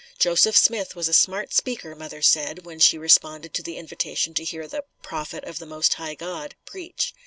Joseph Smith was a smart speaker, mother said, when she responded to the invitation to hear the "Prophet of the Most High God" preach.